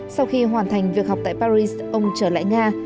sau khi hoàn thành việc học tại paris ông trở lại nga